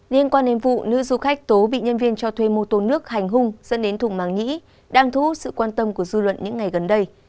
liên quan đến vụ nữ du khách tố bị nhân viên cho thuê mô tốn nước hành hung dân đến thùng mạng nhĩ đang thú sự quan tâm của dư luận những ngày gần đây